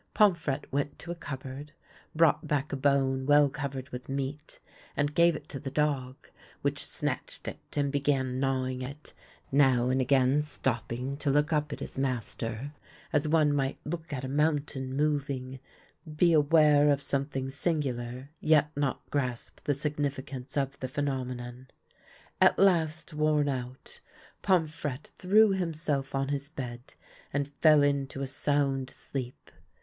Pomfrette went to a cupboard, brought back a bone well covered with meat, and gave it to the dog, which snatched it and began gnawing it, now and again stop ping to look up at his master, as one might look at a mountain moving, be aware of something singular, yet not grasp the significance of the phenomenon. At last, worn out, Pomfrette threw himself on his bed, and fell into a sound sleep.